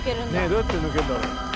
どうやって抜けんだろ。